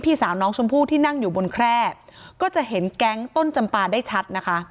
สาวน้องชมพู่ที่นั่งอยู่บนแคร่ก็จะเห็นแก๊งต้นจำปาได้ชัดนะคะ